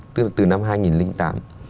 tức là từ năm hai nghìn tám